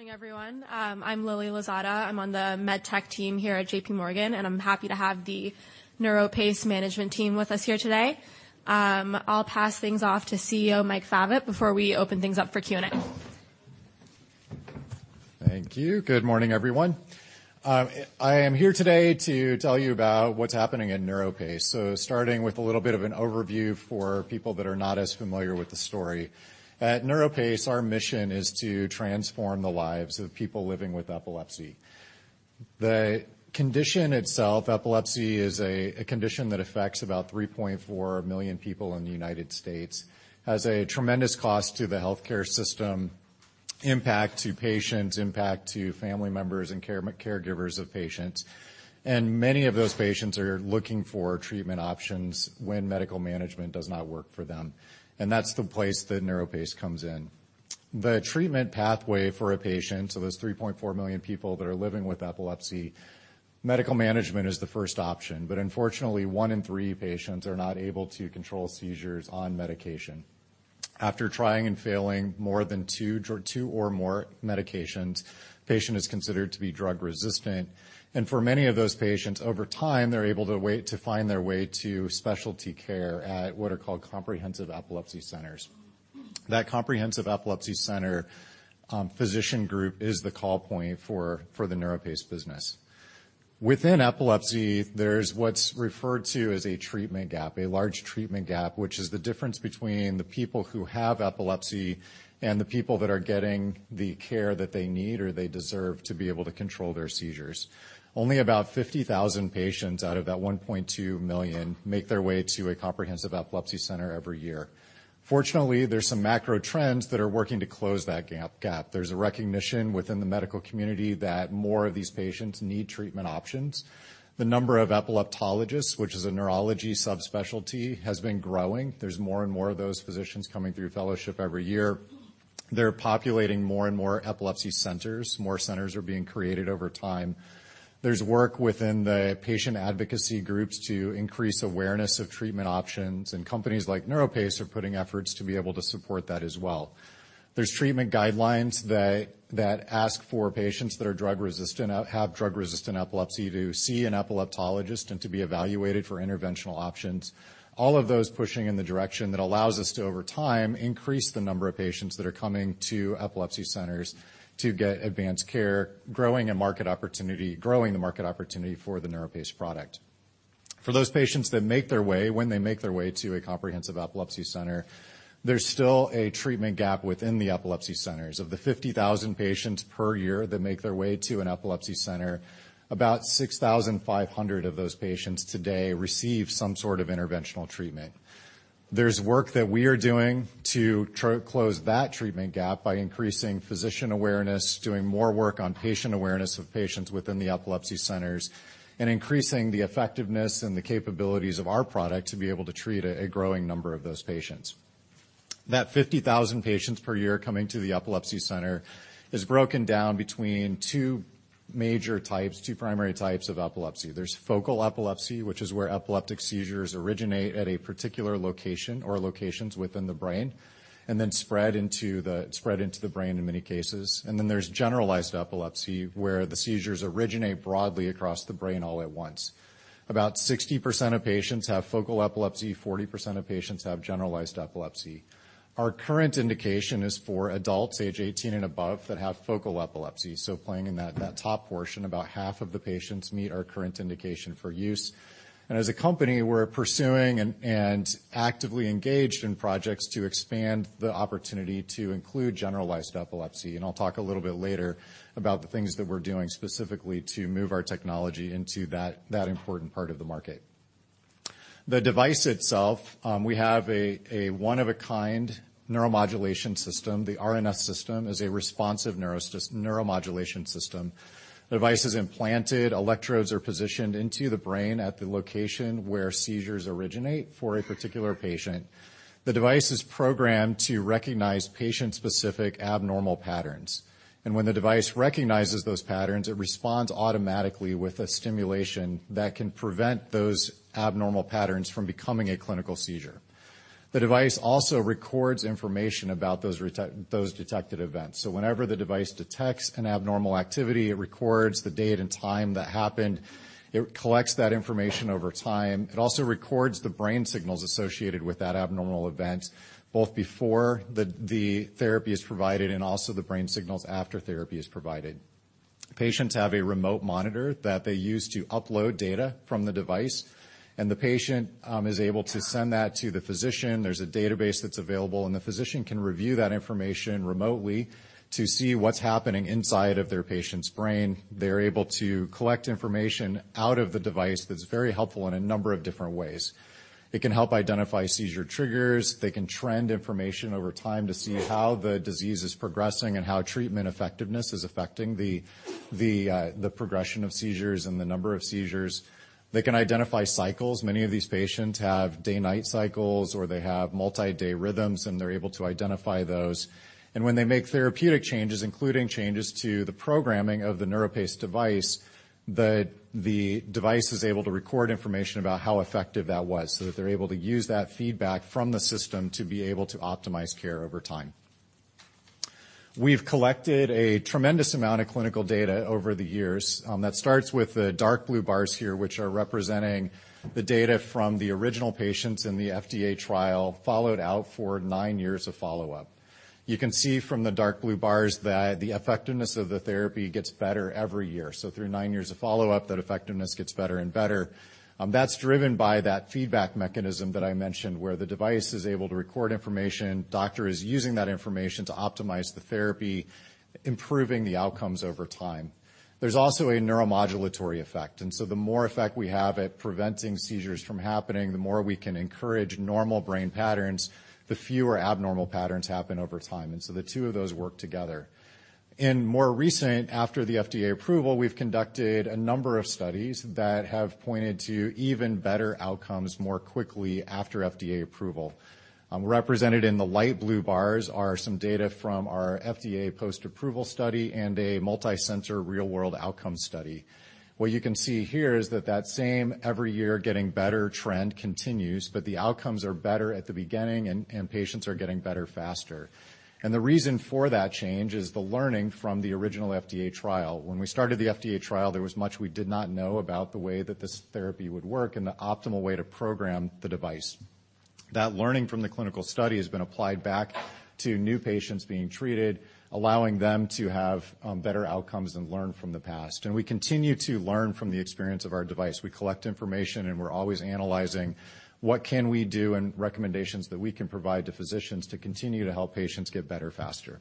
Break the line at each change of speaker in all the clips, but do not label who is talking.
Good morning, everyone. I'm Lily Lozada. I'm on the MedTech team here at JPMorgan, and I'm happy to have the NeuroPace management team with us here today. I'll pass things off to CEO Mike Favet before we open things up for Q&A.
Thank you. Good morning, everyone. I am here today to tell you about what's happening at NeuroPace. Starting with a little bit of an overview for people that are not as familiar with the story. At NeuroPace, our mission is to transform the lives of people living with epilepsy. The condition itself, epilepsy, is a condition that affects about 3.4 million people in the United States. Has a tremendous cost to the healthcare system, impact to patients, impact to family members and caregivers of patients. Many of those patients are looking for treatment options when medical management does not work for them. That's the place that NeuroPace comes in. The treatment pathway for a patient, so those 3.4 million people that are living with epilepsy, medical management is the first option. Unfortunately, one in three patients are not able to control seizures on medication. After trying and failing more than two or more medications, patient is considered to be drug-resistant. For many of those patients, over time, they're able to find their way to specialty care at what are called comprehensive epilepsy centers. That comprehensive epilepsy center physician group is the call point for the NeuroPace business. Within epilepsy, there's what's referred to as a treatment gap, a large treatment gap, which is the difference between the people who have epilepsy and the people that are getting the care that they need or they deserve to be able to control their seizures. Only about 50,000 patients out of that 1.2 million make their way to a comprehensive epilepsy center every year. Fortunately, there's some macro trends that are working to close that gap. There's a recognition within the medical community that more of these patients need treatment options. The number of epileptologists, which is a neurology subspecialty, has been growing. There's more and more of those physicians coming through fellowship every year. They're populating more and more epilepsy centers. More centers are being created over time. There's work within the patient advocacy groups to increase awareness of treatment options, and companies like NeuroPace are putting efforts to be able to support that as well. There's treatment guidelines that ask for patients that are drug-resistant have drug-resistant epilepsy to see an epileptologist and to be evaluated for interventional options. All of those pushing in the direction that allows us to, over time, increase the number of patients that are coming to epilepsy centers to get advanced care, growing the market opportunity for the NeuroPace product. For those patients when they make their way to a comprehensive epilepsy center, there's still a treatment gap within the epilepsy centers. Of the 50,000 patients per year that make their way to an epilepsy center, about 6,500 of those patients today receive some sort of interventional treatment. There's work that we are doing to close that treatment gap by increasing physician awareness, doing more work on patient awareness of patients within the epilepsy centers, and increasing the effectiveness and the capabilities of our product to be able to treat a growing number of those patients. That 50,000 patients per year coming to the epilepsy center is broken down between two primary types of epilepsy. There's focal epilepsy, which is where epileptic seizures originate at a particular location or locations within the brain and then spread into the brain in many cases. There's generalized epilepsy, where the seizures originate broadly across the brain all at once. About 60% of patients have focal epilepsy, 40% of patients have generalized epilepsy. Our current indication is for adults age 18 and above that have focal epilepsy. Playing in that top portion, about half of the patients meet our current indication for use. As a company, we're pursuing and actively engaged in projects to expand the opportunity to include generalized epilepsy. I'll talk a little bit later about the things that we're doing specifically to move our technology into that important part of the market. The device itself, we have a one-of-a-kind neuromodulation system. The RNS System is a responsive neuromodulation system. The device is implanted, electrodes are positioned into the brain at the location where seizures originate for a particular patient. The device is programmed to recognize patient-specific abnormal patterns. When the device recognizes those patterns, it responds automatically with a stimulation that can prevent those abnormal patterns from becoming a clinical seizure. The device also records information about those detected events. Whenever the device detects an abnormal activity, it records the date and time that happened. It collects that information over time. It also records the brain signals associated with that abnormal event, both before the therapy is provided and also the brain signals after therapy is provided. Patients have a remote monitor that they use to upload data from the device, and the patient is able to send that to the physician. There's a database that's available, and the physician can review that information remotely to see what's happening inside of their patient's brain. They're able to collect information out of the device that's very helpful in a number of different ways. It can help identify seizure triggers. They can trend information over time to see how the disease is progressing and how treatment effectiveness is affecting the progression of seizures and the number of seizures. They can identify cycles. Many of these patients have day/night cycles, or they have multi-day rhythms, they're able to identify those. When they make therapeutic changes, including changes to the programming of the NeuroPace device, the device is able to record information about how effective that was, that they're able to use that feedback from the system to be able to optimize care over time. We've collected a tremendous amount of clinical data over the years, that starts with the dark blue bars here, which are representing the data from the original patients in the FDA trial followed out for nine years of follow-up. You can see from the dark blue bars that the effectiveness of the therapy gets better every year. Through nine years of follow-up, that effectiveness gets better and better. That's driven by that feedback mechanism that I mentioned, where the device is able to record information. doctor is using that information to optimize the therapy, improving the outcomes over time. There's also a neuromodulatory effect, the more effect we have at preventing seizures from happening, the more we can encourage normal brain patterns, the fewer abnormal patterns happen over time. The two of those work together. In more recent, after the FDA approval, we've conducted a number of studies that have pointed to even better outcomes more quickly after FDA approval. Represented in the light blue bars are some data from our FDA post-approval study and a multicenter real-world outcome study. What you can see here is that that same every year getting better trend continues, but the outcomes are better at the beginning and patients are getting better faster. The reason for that change is the learning from the original FDA trial. When we started the FDA trial, there was much we did not know about the way that this therapy would work and the optimal way to program the device. That learning from the clinical study has been applied back to new patients being treated, allowing them to have better outcomes and learn from the past. We continue to learn from the experience of our device. We collect information, and we're always analyzing what can we do and recommendations that we can provide to physicians to continue to help patients get better faster.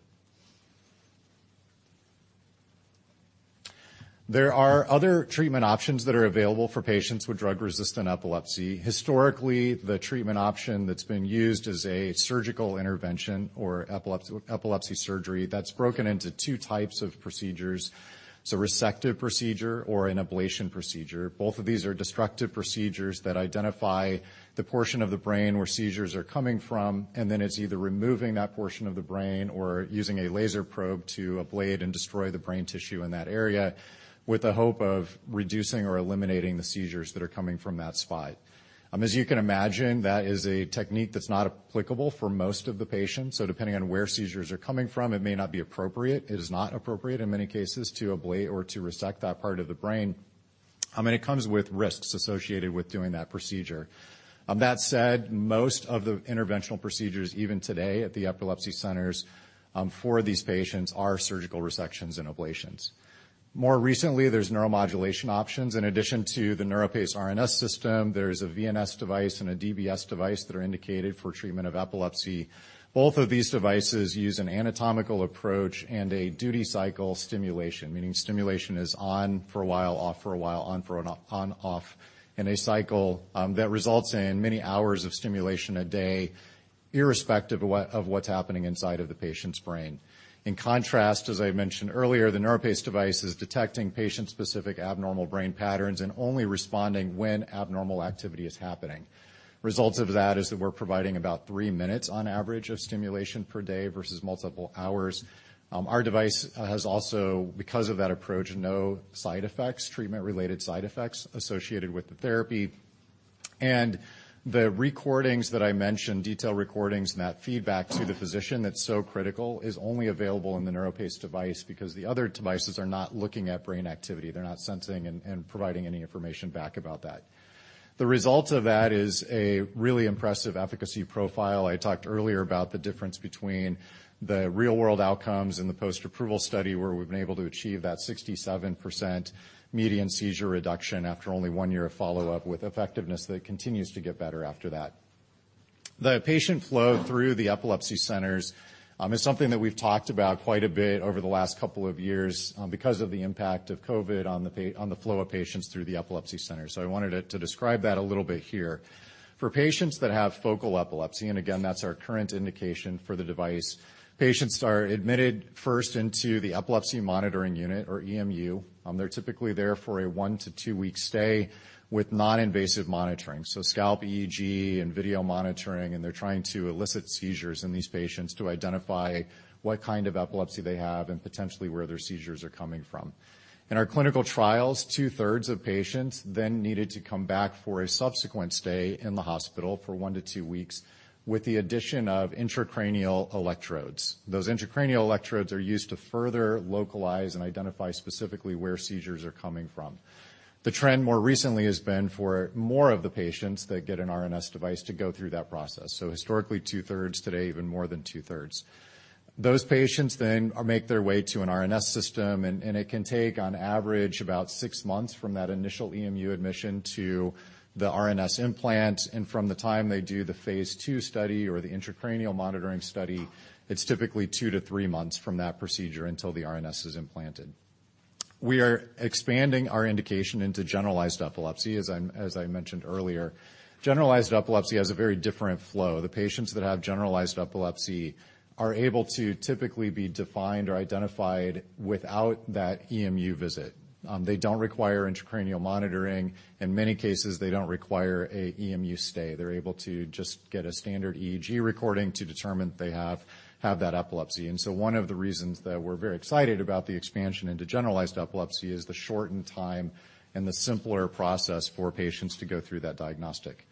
There are other treatment options that are available for patients with drug-resistant epilepsy. Historically, the treatment option that's been used is a surgical intervention or epilepsy surgery that's broken into two types of procedures. It's a resective procedure or an ablation procedure. Both of these are destructive procedures that identify the portion of the brain where seizures are coming from, and then it's either removing that portion of the brain or using a laser probe to ablate and destroy the brain tissue in that area with the hope of reducing or eliminating the seizures that are coming from that spot. As you can imagine, that is a technique that's not applicable for most of the patients. Depending on where seizures are coming from, it may not be appropriate. It is not appropriate in many cases to ablate or to resect that part of the brain. It comes with risks associated with doing that procedure. That said, most of the interventional procedures, even today at the epilepsy centers, for these patients are surgical resections and ablations. More recently, there's neuromodulation options. In addition to the NeuroPace RNS System, there's a VNS device and a DBS device that are indicated for treatment of epilepsy. Both of these devices use an anatomical approach and a duty cycle stimulation, meaning stimulation is on for a while, off for a while, on, off in a cycle that results in many hours of stimulation a day, irrespective of what's happening inside of the patient's brain. In contrast, as I mentioned earlier, the NeuroPace device is detecting patient-specific abnormal brain patterns and only responding when abnormal activity is happening. Results of that is that we're providing about three minutes on average of stimulation per day versus multiple hours. Our device has also, because of that approach, no side effects, treatment-related side effects associated with the therapy. The recordings that I mentioned, detailed recordings and that feedback to the physician that's so critical, is only available in the NeuroPace device because the other devices are not looking at brain activity. They're not sensing and providing any information back about that. The result of that is a really impressive efficacy profile. I talked earlier about the difference between the real-world outcomes and the post-approval study, where we've been able to achieve that 67% median seizure reduction after only one year of follow-up with effectiveness that continues to get better after that. The patient flow through the epilepsy centers is something that we've talked about quite a bit over the last couple of years because of the impact of COVID on the flow of patients through the epilepsy center. I wanted to describe that a little bit here. For patients that have focal epilepsy, again, that's our current indication for the device, patients are admitted first into the epilepsy monitoring unit or EMU. They're typically there for a one to two-week stay with non-invasive monitoring. Scalp EEG and video monitoring, they're trying to elicit seizures in these patients to identify what kind of epilepsy they have and potentially where their seizures are coming from. In our clinical trials, 2/3 of patients needed to come back for a subsequent stay in the hospital for one to two weeks with the addition of intracranial electrodes. Those intracranial electrodes are used to further localize and identify specifically where seizures are coming from. The trend more recently has been for more of the patients that get an RNS device to go through that process. Historically, 2/3. Today, even more than 2/3. Those patients make their way to an RNS system, and it can take on average about six months from that initial EMU admission to the RNS implant. From the time they do the phase two study or the intracranial monitoring study, it's typically two-three months from that procedure until the RNS is implanted. We are expanding our indication into generalized epilepsy, as I mentioned earlier. Generalized epilepsy has a very different flow. The patients that have generalized epilepsy are able to typically be defined or identified without that EMU visit. They don't require intracranial monitoring. In many cases, they don't require a EMU stay. They're able to just get a standard EEG recording to determine if they have that epilepsy. One of the reasons that we're very excited about the expansion into generalized epilepsy is the shortened time and the simpler process for patients to go through that diagnostic.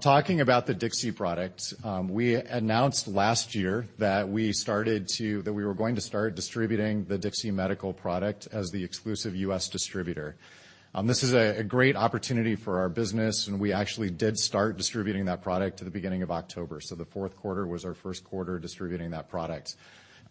Talking about the DIXI product, we announced last year that we were going to start distributing the DIXI medical product as the exclusive U.S. distributor. This is a great opportunity for our business, and we actually did start distributing that product at the beginning of October. The fourth quarter was our first quarter distributing that product.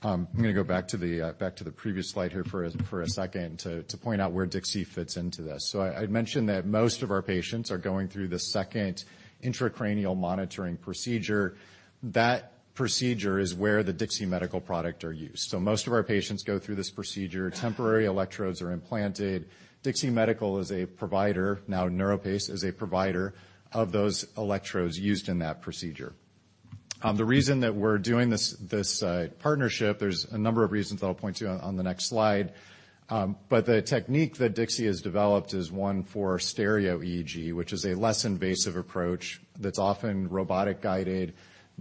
I'm gonna go back to the back to the previous slide here for a second to point out where DIXI fits into this. I'd mentioned that most of our patients are going through the second intracranial monitoring procedure. That procedure is where the DIXI medical product are used. Most of our patients go through this procedure. Temporary electrodes are implanted. DIXI medical is a provider. NeuroPace is a provider of those electrodes used in that procedure. The reason that we're doing this partnership, there's a number of reasons that I'll point to on the next slide. The technique that DIXI has developed is one for stereo EEG, which is a less invasive approach that's often robotic guided,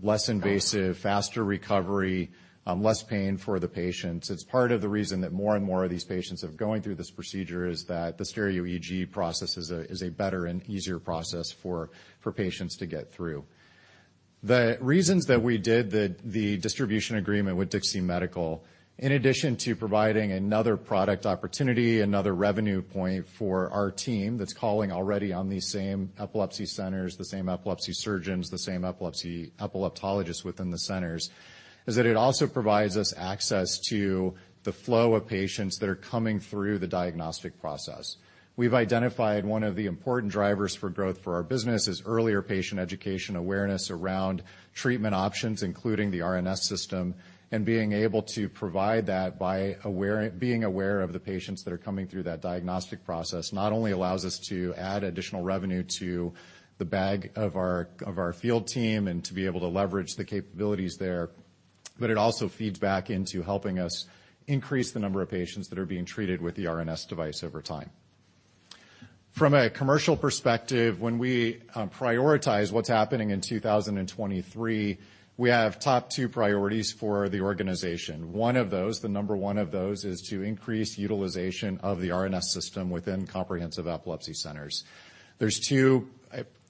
less invasive, faster recovery, less pain for the patients. It's part of the reason that more and more of these patients are going through this procedure, is that the stereo EEG process is a better and easier process for patients to get through. The reasons that we did the distribution agreement with DIXI medical, in addition to providing another product opportunity, another revenue point for our team that's calling already on these same epilepsy centers, the same epilepsy surgeons, the same epileptologists within the centers, is that it also provides us access to the flow of patients that are coming through the diagnostic process. We've identified one of the important drivers for growth for our business is earlier patient education awareness around treatment options, including the RNS System, and being able to provide that by being aware of the patients that are coming through that diagnostic process, not only allows us to add additional revenue to the bag of our, of our field team and to be able to leverage the capabilities there, but it also feeds back into helping us increase the number of patients that are being treated with the RNS device over time. From a commercial perspective, when we prioritize what's happening in 2023, we have top two priorities for the organization. One of those, the number one of those, is to increase utilization of the RNS System within comprehensive epilepsy centers. There's two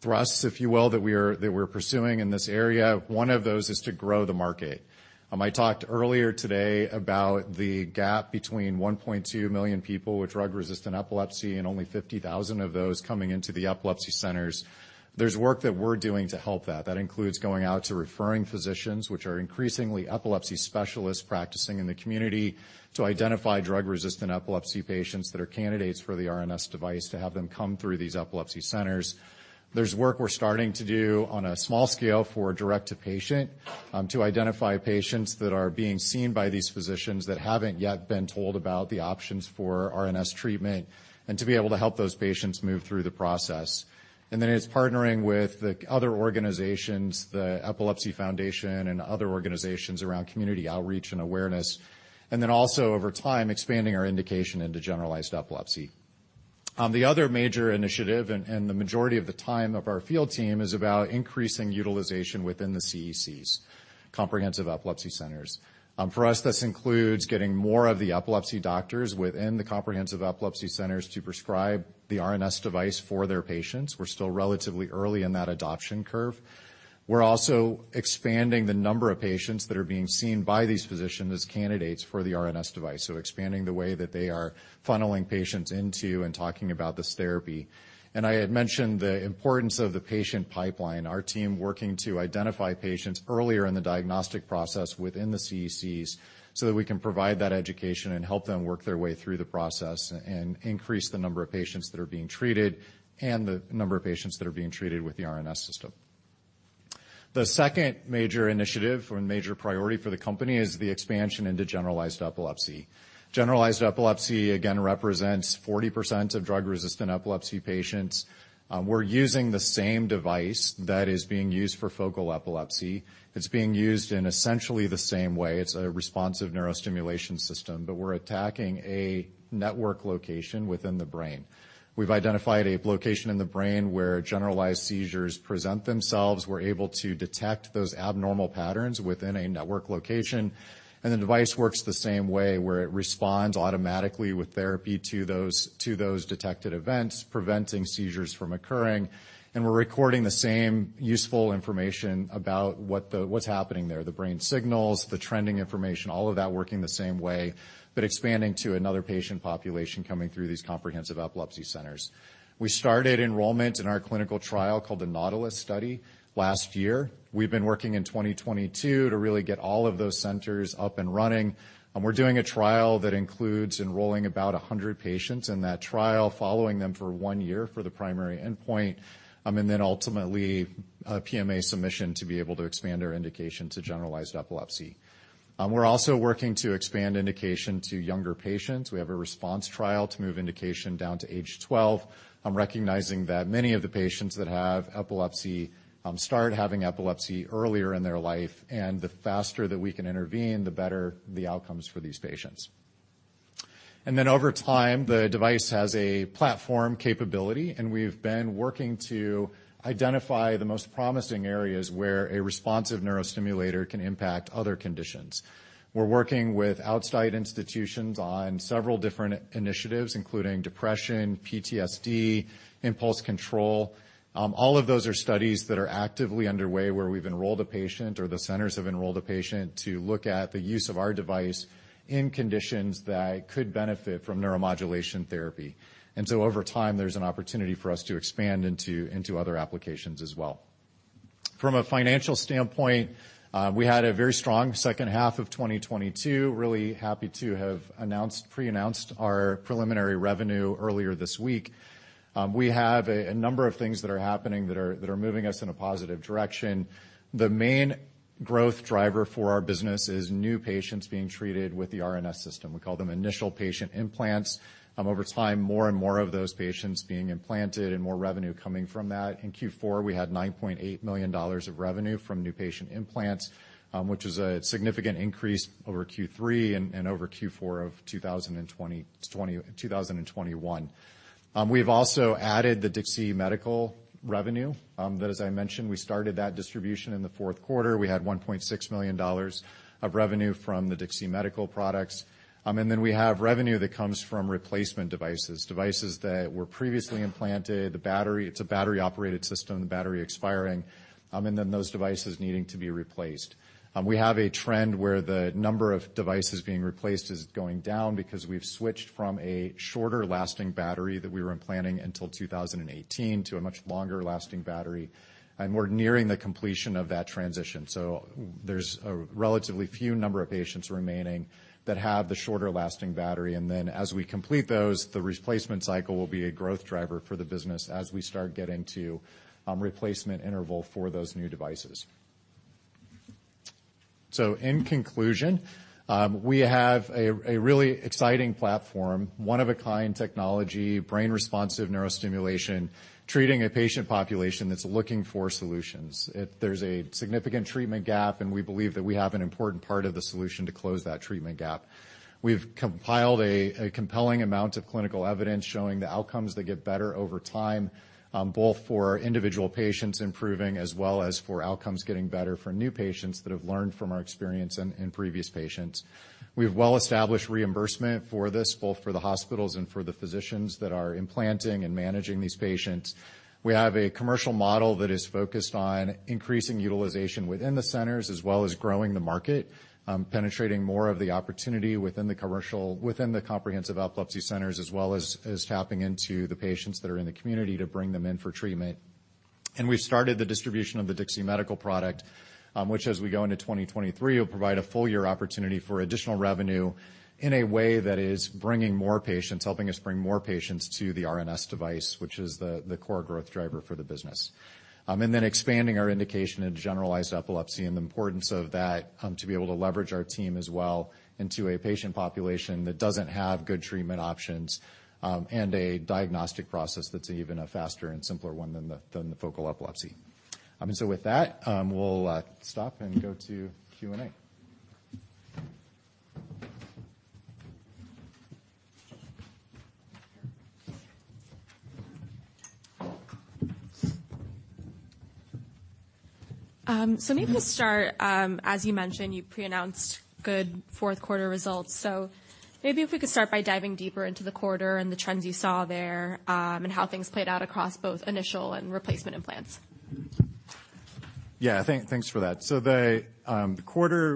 thrusts, if you will, that we're, that we're pursuing in this area. One of those is to grow the market. I talked earlier today about the gap between 1.2 million people with drug-resistant epilepsy and only 50,000 of those coming into the epilepsy centers. There's work that we're doing to help that. That includes going out to referring physicians, which are increasingly epilepsy specialists practicing in the community, to identify drug-resistant epilepsy patients that are candidates for the RNS device to have them come through these epilepsy centers. There's work we're starting to do on a small scale for direct to patient, to identify patients that are being seen by these physicians that haven't yet been told about the options for RNS treatment and to be able to help those patients move through the process. It's partnering with the other organizations, the Epilepsy Foundation and other organizations around community outreach and awareness, also over time, expanding our indication into generalized epilepsy. The other major initiative and the majority of the time of our field team is about increasing utilization within the CECs, comprehensive epilepsy centers. For us, this includes getting more of the epilepsy doctors within the comprehensive epilepsy centers to prescribe the RNS device for their patients. We're still relatively early in that adoption curve. We're also expanding the number of patients that are being seen by these physicians as candidates for the RNS device. Expanding the way that they are funneling patients into and talking about this therapy. I had mentioned the importance of the patient pipeline, our team working to identify patients earlier in the diagnostic process within the CECs so that we can provide that education and help them work their way through the process and increase the number of patients that are being treated and the number of patients that are being treated with the RNS System. The second major initiative or major priority for the company is the expansion into generalized epilepsy. Generalized epilepsy, again, represents 40% of drug-resistant epilepsy patients. We're using the same device that is being used for focal epilepsy. It's being used in essentially the same way. It's a responsive neurostimulation system, but we're attacking a network location within the brain. We've identified a location in the brain where generalized seizures present themselves. We're able to detect those abnormal patterns within a network location, the device works the same way, where it responds automatically with therapy to those detected events, preventing seizures from occurring. We're recording the same useful information about what's happening there, the brain signals, the trending information, all of that working the same way, expanding to another patient population coming through these comprehensive epilepsy centers. We started enrollment in our clinical trial, called the NAUTILUS Study, last year. We've been working in 2022 to really get all of those centers up and running. We're doing a trial that includes enrolling about 100 patients in that trial, following them for one year for the primary endpoint, then ultimately a PMA submission to be able to expand our indication to generalized epilepsy. We're also working to expand indication to younger patients. We have a RESPONSE Study to move indication down to age 12. I'm recognizing that many of the patients that have epilepsy start having epilepsy earlier in their life, and the faster that we can intervene, the better the outcomes for these patients. Over time, the device has a platform capability, and we've been working to identify the most promising areas where a responsive neurostimulator can impact other conditions. We're working with outside institutions on several different initiatives, including depression, PTSD, impulse control. All of those are studies that are actively underway, where we've enrolled a patient or the centers have enrolled a patient to look at the use of our device in conditions that could benefit from neuromodulation therapy. Over time, there's an opportunity for us to expand into other applications as well. From a financial standpoint, we had a very strong second half of 2022. Really happy to have pre-announced our preliminary revenue earlier this week. We have a number of things that are happening that are moving us in a positive direction. The main growth driver for our business is new patients being treated with the RNS System. We call them initial patient implants. Over time, more and more of those patients being implanted and more revenue coming from that. In Q4, we had $9.8 million of revenue from new patient implants, which is a significant increase over Q3 and over Q4 of 2021. We've also added the DIXI medical revenue, that, as I mentioned, we started that distribution in the fourth quarter. We had $1.6 million of revenue from the DIXI medical products. We have revenue that comes from replacement devices that were previously implanted, the battery-- it's a battery-operated system, the battery expiring, and then those devices needing to be replaced. We have a trend where the number of devices being replaced is going down because we've switched from a shorter-lasting battery that we were implanting until 2018 to a much longer-lasting battery. We're nearing the completion of that transition. There's a relatively few number of patients remaining that have the shorter-lasting battery, and then as we complete those, the replacement cycle will be a growth driver for the business as we start getting to replacement interval for those new devices. In conclusion, we have a really exciting platform, one-of-a-kind technology, responsive neurostimulation, treating a patient population that's looking for solutions. There's a significant treatment gap, and we believe that we have an important part of the solution to close that treatment gap. We've compiled a compelling amount of clinical evidence showing the outcomes that get better over time, both for individual patients improving as well as for outcomes getting better for new patients that have learned from our experience in previous patients. We have well-established reimbursement for this, both for the hospitals and for the physicians that are implanting and managing these patients. We have a commercial model that is focused on increasing utilization within the centers as well as growing the market, penetrating more of the opportunity within the comprehensive epilepsy centers, as well as tapping into the patients that are in the community to bring them in for treatment. We've started the distribution of the DIXI medical product, which, as we go into 2023, will provide a full year opportunity for additional revenue in a way that is helping us bring more patients to the RNS device, which is the core growth driver for the business. Expanding our indication in generalized epilepsy and the importance of that, to be able to leverage our team as well into a patient population that doesn't have good treatment options, and a diagnostic process that's an even a faster and simpler one than the focal epilepsy. With that, we'll stop and go to Q&A.
Maybe we'll start, as you mentioned, you pre-announced good fourth quarter results. Maybe if we could start by diving deeper into the quarter and the trends you saw there, and how things played out across both initial and replacement implants.
Thanks for that.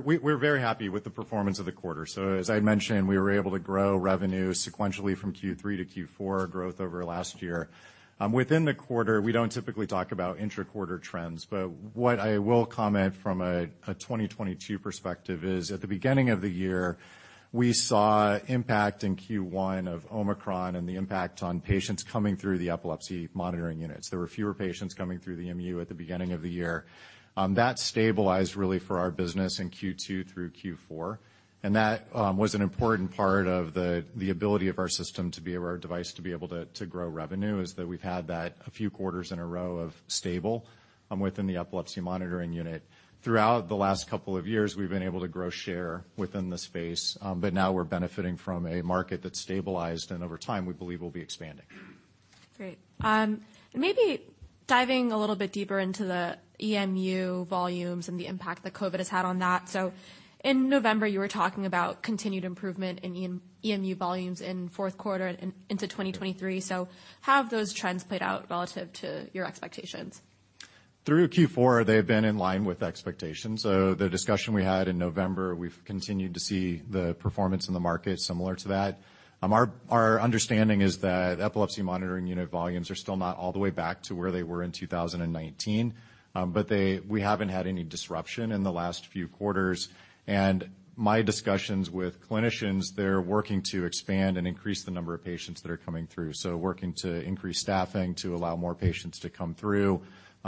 We're very happy with the performance of the quarter. As I mentioned, we were able to grow revenue sequentially from Q3 to Q4, growth over last year. Within the quarter, we don't typically talk about intra-quarter trends, but what I will comment from a 2022 perspective is, at the beginning of the year, we saw impact in Q1 of Omicron and the impact on patients coming through the epilepsy monitoring units. There were fewer patients coming through the EMU at the beginning of the year. That stabilized really for our business in Q2 through Q4. That was an important part of the ability of our system or our device to be able to grow revenue, is that we've had that a few quarters in a row of stable within the epilepsy monitoring unit. Throughout the last couple of years, we've been able to grow share within the space. Now we're benefiting from a market that's stabilized and over time, we believe will be expanding.
Great. Maybe diving a little bit deeper into the EMU volumes and the impact that COVID has had on that. In November, you were talking about continued improvement in EMU volumes in fourth quarter and into 2023. How have those trends played out relative to your expectations?
Through Q4, they've been in line with expectations. The discussion we had in November, we've continued to see the performance in the market similar to that. Our understanding is that epilepsy monitoring unit volumes are still not all the way back to where they were in 2019. We haven't had any disruption in the last few quarters. My discussions with clinicians, they're working to expand and increase the number of patients that are coming through. Working to increase staffing to allow more patients to come through,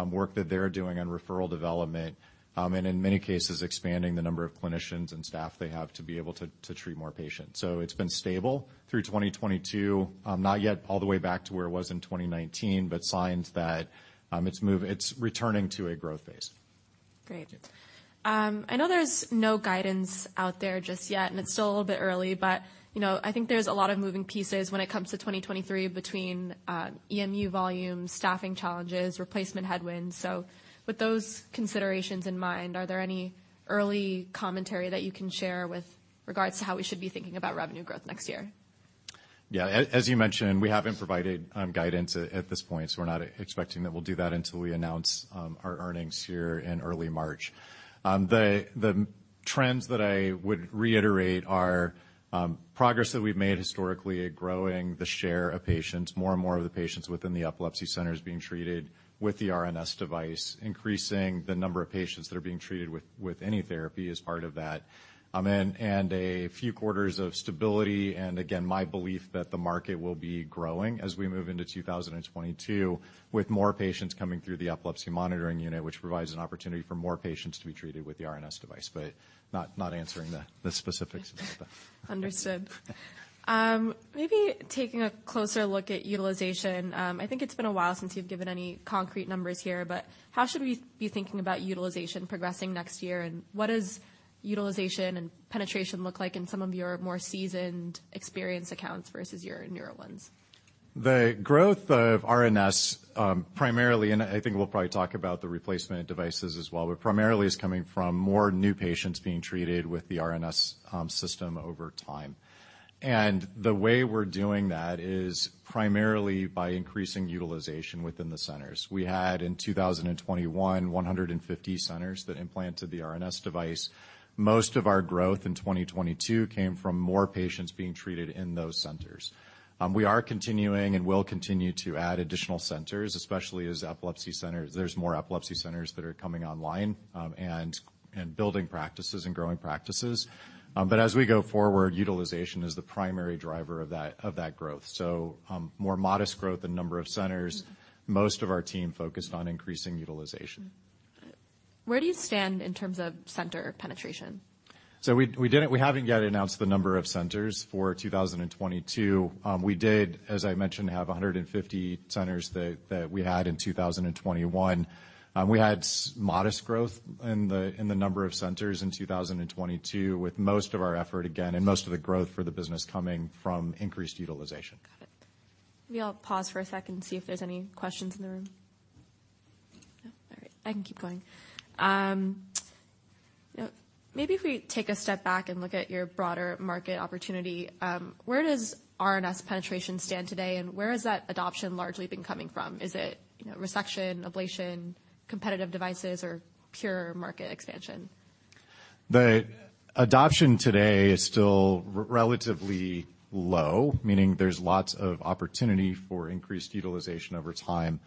work that they're doing on referral development, and in many cases, expanding the number of clinicians and staff they have to be able to treat more patients. It's been stable through 2022. Not yet all the way back to where it was in 2019, but signs that it's returning to a growth phase.
Great. I know there's no guidance out there just yet, and it's still a little bit early, but, you know, I think there's a lot of moving pieces when it comes to 2023 between EMU volume, staffing challenges, replacement headwinds. With those considerations in mind, are there any early commentary that you can share with regards to how we should be thinking about revenue growth next year?
As you mentioned, we haven't provided guidance at this point, we're not expecting that we'll do that until we announce our earnings here in early March. The trends that I would reiterate are progress that we've made historically at growing the share of patients. More and more of the patients within the epilepsy centers being treated with the RNS device, increasing the number of patients that are being treated with any therapy as part of that, and a few quarters of stability. Again, my belief that the market will be growing as we move into 2022, with more patients coming through the epilepsy monitoring unit, which provides an opportunity for more patients to be treated with the RNS device. Not answering the specifics.
Understood. Maybe taking a closer look at utilization. I think it's been a while since you've given any concrete numbers here, but how should we be thinking about utilization progressing next year? What does utilization and penetration look like in some of your more seasoned experience accounts versus your newer ones?
The growth of RNS, primarily, and I think we'll probably talk about the replacement devices as well, but primarily is coming from more new patients being treated with the RNS System over time. The way we're doing that is primarily by increasing utilization within the centers. We had, in 2021, 150 centers that implanted the RNS device. Most of our growth in 2022 came from more patients being treated in those centers. We are continuing and will continue to add additional centers, especially as there's more epilepsy centers that are coming online, and building practices and growing practices. As we go forward, utilization is the primary driver of that growth. More modest growth in number of centers.
Mm-hmm.
Most of our team focused on increasing utilization.
Where do you stand in terms of center penetration?
We haven't yet announced the number of centers for 2022. We did, as I mentioned, have 150 centers that we had in 2021. We had modest growth in the number of centers in 2022, with most of our effort, again, and most of the growth for the business coming from increased utilization.
Got it. Maybe I'll pause for a second and see if there's any questions in the room. No? All right, I can keep going. You know, maybe if we take a step back and look at your broader market opportunity, where does RNS penetration stand today, and where has that adoption largely been coming from? Is it, you know, resection, ablation, competitive devices, or pure market expansion?
The adoption today is still relatively low, meaning there's lots of opportunity for increased utilization over time.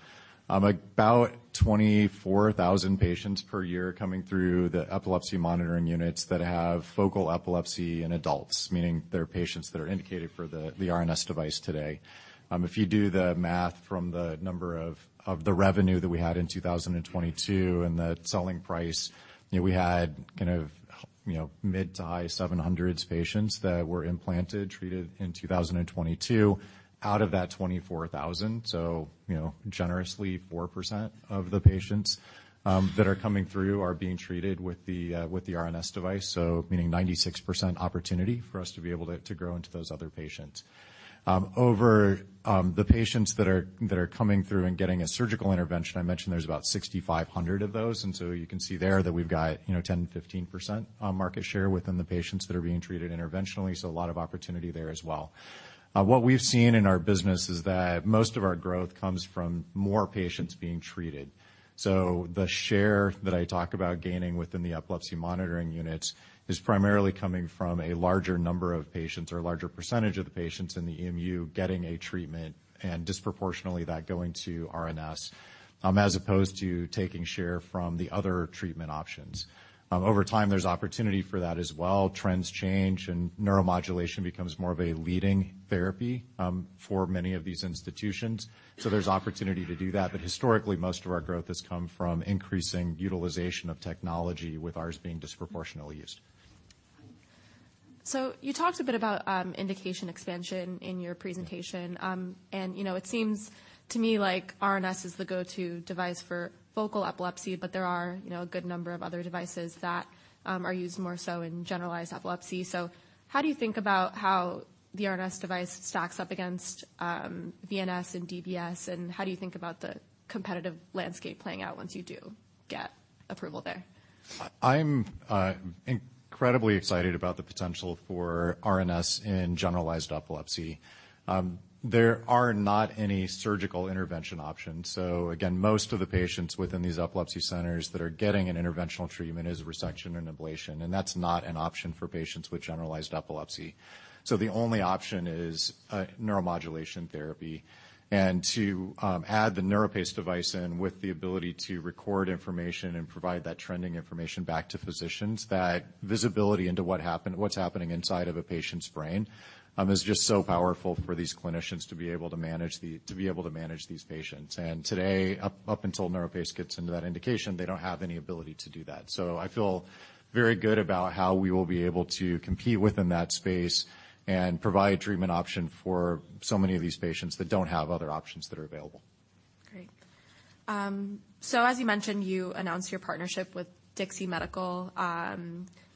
About 24,000 patients per year coming through the epilepsy monitoring units that have focal epilepsy in adults, meaning they're patients that are indicated for the RNS device today. If you do the math from the number of the revenue that we had in 2022 and the selling price, you know, we had kind of, you know, mid to high 700 patients that were implanted, treated in 2022 out of that 24,000. Generously, you know, 4% of the patients that are coming through are being treated with the RNS device. Meaning 96% opportunity for us to be able to grow into those other patients. Over the patients that are coming through and getting a surgical intervention, I mentioned there's about 6,500 of those. You can see there that we've got, you know, 10%-15% market share within the patients that are being treated interventionally, so a lot of opportunity there as well. What we've seen in our business is that most of our growth comes from more patients being treated. The share that I talk about gaining within the epilepsy monitoring units is primarily coming from a larger number of patients or a larger percentage of the patients in the EMU getting a treatment, and disproportionately that going to RNS as opposed to taking share from the other treatment options. Over time, there's opportunity for that as well. Trends change, neuromodulation becomes more of a leading therapy for many of these institutions. There's opportunity to do that. Historically, most of our growth has come from increasing utilization of technology, with ours being disproportionately used.
You talked a bit about indication expansion in your presentation. You know, it seems to me like RNS is the go-to device for focal epilepsy, but there are, you know, a good number of other devices that are used more so in generalized epilepsy. How do you think about how the RNS device stacks up against VNS and DBS, and how do you think about the competitive landscape playing out once you do get approval there?
I'm incredibly excited about the potential for RNS in generalized epilepsy. There are not any surgical intervention options. Again, most of the patients within these epilepsy centers that are getting an interventional treatment is resection and ablation, and that's not an option for patients with generalized epilepsy. The only option is neuromodulation therapy. To add the NeuroPace device in with the ability to record information and provide that trending information back to physicians, that visibility into what's happening inside of a patient's brain, is just so powerful for these clinicians to be able to manage these patients. Today, until NeuroPace gets into that indication, they don't have any ability to do that. I feel very good about how we will be able to compete within that space and provide treatment option for so many of these patients that don't have other options that are available.
Great. As you mentioned, you announced your partnership with DIXI medical.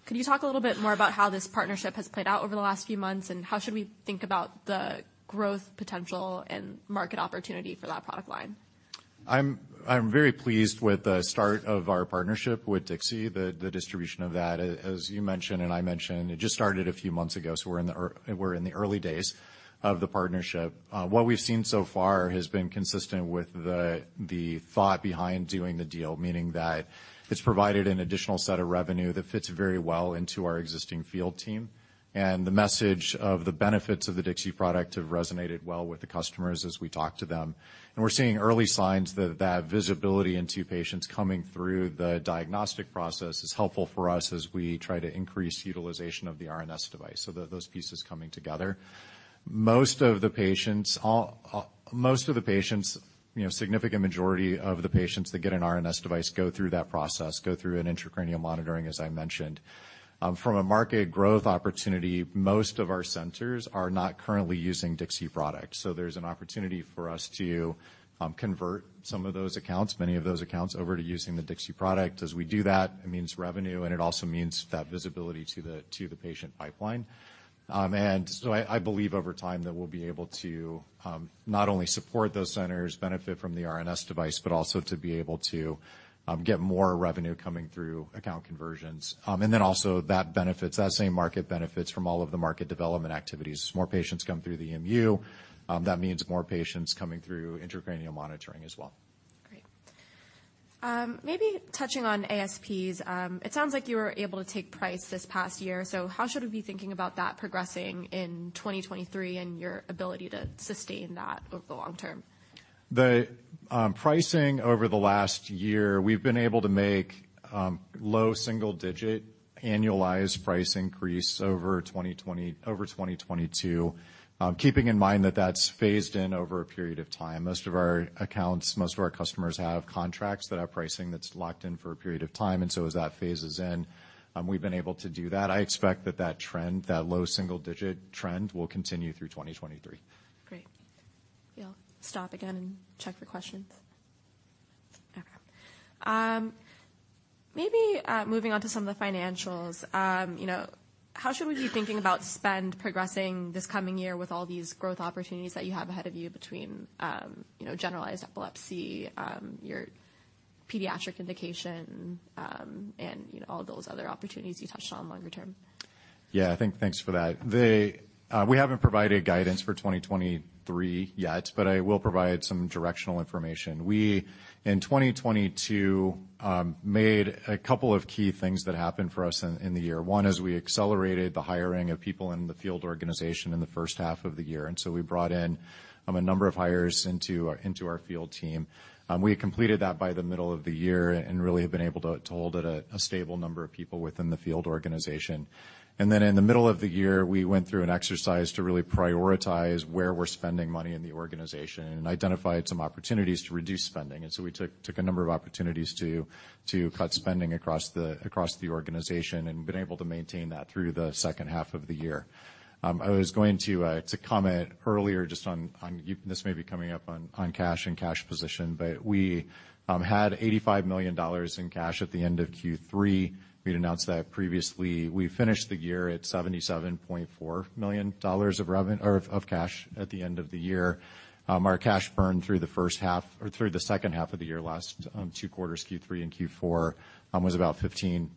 Could you talk a little bit more about how this partnership has played out over the last few months, and how should we think about the growth potential and market opportunity for that product line?
I'm very pleased with the start of our partnership with DIXI. The distribution of that, as you mentioned and I mentioned, it just started a few months ago. We're in the early days of the partnership. What we've seen so far has been consistent with the thought behind doing the deal, meaning that it's provided an additional set of revenue that fits very well into our existing field team. The message of the benefits of the DIXI product have resonated well with the customers as we talk to them. We're seeing early signs that visibility into patients coming through the diagnostic process is helpful for us as we try to increase utilization of the RNS device. Those pieces coming together. Most of the patients, all... Most of the patients, you know, a significant majority of the patients that get an RNS device go through that process, go through an intracranial monitoring, as I mentioned. From a market growth opportunity, most of our centers are not currently using DIXI products. There's an opportunity for us to convert some of those accounts, many of those accounts over to using the DIXI product. As we do that, it means revenue, and it also means that visibility to the, to the patient pipeline. I believe over time that we'll be able to not only support those centers benefit from the RNS device, but also to be able to get more revenue coming through account conversions. That benefits, that same market benefits from all of the market development activities. More patients come through the EMU. That means more patients coming through intracranial monitoring as well.
Great. Maybe touching on ASPs. It sounds like you were able to take price this past year. How should we be thinking about that progressing in 2023 and your ability to sustain that over the long term?
The pricing over the last year, we've been able to make low single digit annualized price increase over 2022. Keeping in mind that that's phased in over a period of time. Most of our accounts, most of our customers have contracts that have pricing that's locked in for a period of time. As that phases in, we've been able to do that. I expect that that trend, that low single digit trend will continue through 2023.
Great. Yeah, I'll stop again and check for questions. Okay. Maybe, moving on to some of the financials. You know, how should we be thinking about spend progressing this coming year with all these growth opportunities that you have ahead of you between, you know, generalized epilepsy, your pediatric indication, and, you know, all those other opportunities you touched on longer term?
Yeah, I think thanks for that. The, we haven't provided guidance for 2023 yet, but I will provide some directional information. We, in 2022, made a couple of key things that happened for us in the year. One is we accelerated the hiring of people in the field organization in the first half of the year, we brought in a number of hires into our field team. We completed that by the middle of the year and really have been able to hold at a stable number of people within the field organization. In the middle of the year, we went through an exercise to really prioritize where we're spending money in the organization and identified some opportunities to reduce spending. We took a number of opportunities to cut spending across the organization and been able to maintain that through the second half of the year. I was going to comment earlier just on... This may be coming up on cash and cash position, but we had $85 million in cash at the end of Q3. We'd announced that previously. We finished the year at $77.4 million or of cash at the end of the year. Our cash burn through the first half or through the second half of the year, last, two quarters, Q3 and Q4, was about $15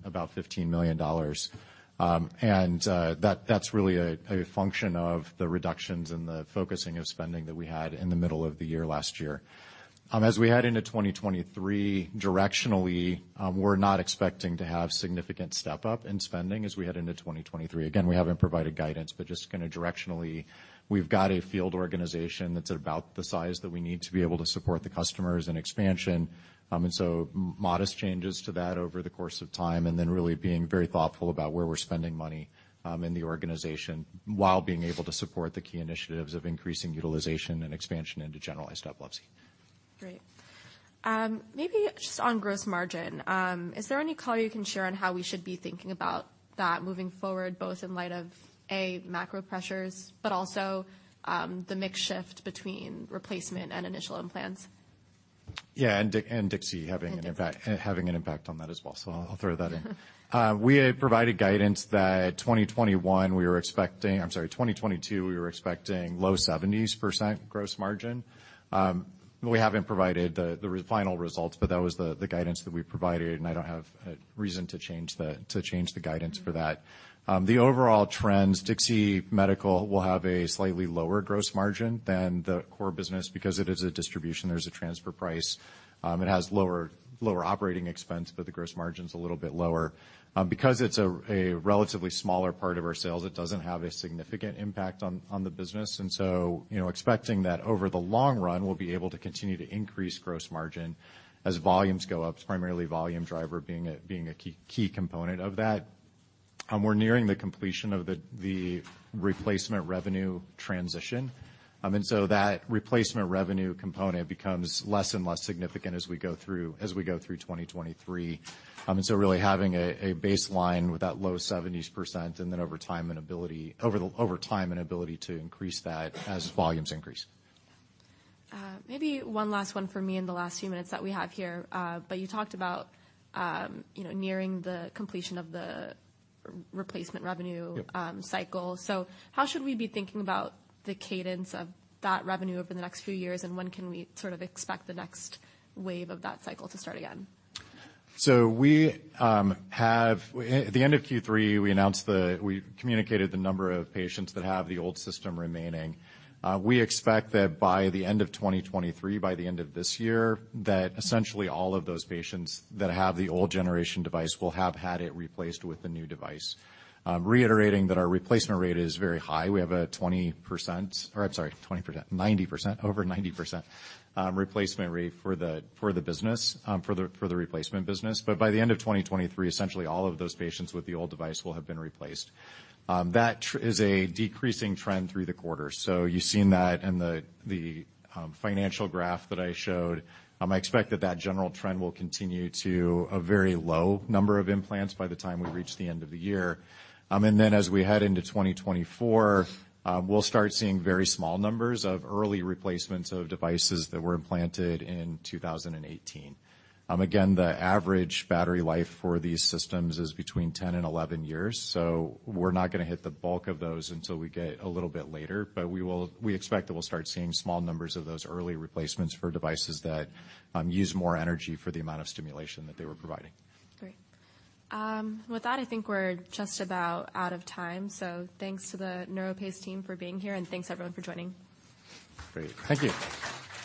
million. That's really a function of the reductions in the focusing of spending that we had in the middle of the year last year. As we head into 2023, directionally, we're not expecting to have significant step-up in spending as we head into 2023. Again, we haven't provided guidance, but just kinda directionally, we've got a field organization that's about the size that we need to be able to support the customers and expansion. Modest changes to that over the course of time, and then really being very thoughtful about where we're spending money in the organization while being able to support the key initiatives of increasing utilization and expansion into generalized epilepsy.
Great. Maybe just on gross margin. Is there any color you can share on how we should be thinking about that moving forward, both in light of, A, macro pressures, but also, the mix shift between replacement and initial implants?
Yeah, and DIXI having an impact-
Okay.
Having an impact on that as well. I'll throw that in. We had provided guidance that 2021 we were expecting... I'm sorry, 2022, we were expecting low 70% gross margin. We haven't provided the final results, but that was the guidance that we provided, and I don't have a reason to change the guidance for that. The overall trends, DIXI medical will have a slightly lower gross margin than the core business because it is a distribution. There's a transfer price. It has lower operating expense, but the gross margin's a little bit lower. Because it's a relatively smaller part of our sales, it doesn't have a significant impact on the business. You know, expecting that over the long run, we'll be able to continue to increase gross margin as volumes go up. Primarily volume driver being a key component of that. We're nearing the completion of the replacement revenue transition. That replacement revenue component becomes less and less significant as we go through 2023. Really having a baseline with that low 70s% and then over time and ability to increase that as volumes increase.
Maybe one last one for me in the last few minutes that we have here. You talked about, you know, nearing the completion of the replacement revenue...
Yep.
Cycle. How should we be thinking about the cadence of that revenue over the next few years, and when can we sort of expect the next wave of that cycle to start again?
We have. At the end of Q3, we communicated the number of patients that have the old system remaining. We expect that by the end of 2023, by the end of this year, that essentially all of those patients that have the old generation device will have had it replaced with the new device. Reiterating that our replacement rate is very high. We have a 20% or I'm sorry, over 90% replacement rate for the business, for the replacement business. By the end of 2023, essentially all of those patients with the old device will have been replaced. That is a decreasing trend through the quarter. You've seen that in the financial graph that I showed. I expect that general trend will continue to a very low number of implants by the time we reach the end of the year. As we head into 2024, we'll start seeing very small numbers of early replacements of devices that were implanted in 2018. Again, the average battery life for these systems is between 10 and 11 years. We're not gonna hit the bulk of those until we get a little bit later. We expect that we'll start seeing small numbers of those early replacements for devices that use more energy for the amount of stimulation that they were providing.
Great. With that, I think we're just about out of time. Thanks to the NeuroPace team for being here, and thanks everyone for joining.
Great. Thank you.